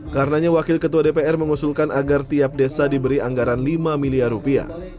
karenanya wakil ketua dpr mengusulkan agar tiap desa diberi anggaran lima miliar rupiah